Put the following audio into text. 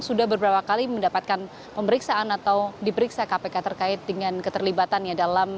sudah beberapa kali mendapatkan pemeriksaan atau diperiksa kpk terkait dengan keterlibatannya dalam